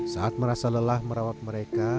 saat merasa lelah merawat mereka